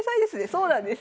そうなんです。